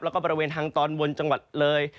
แล้วก็บริเวณทางตอนบนจังหวัดเลย